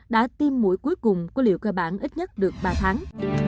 đã tiêm mũi cuối cùng của liệu cơ bản ít nhất được ba tháng